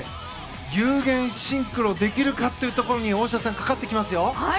有言シンクロできるかにかかってきますよ。